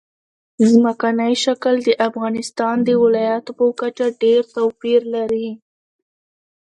ځمکنی شکل د افغانستان د ولایاتو په کچه ډېر توپیر لري.